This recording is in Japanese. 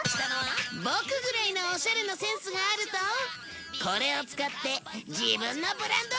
ボクぐらいのオシャレなセンスがあるとこれを使って自分のブランドを立ち上げちゃうよ！